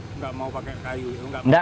tidak mau pakai paku ya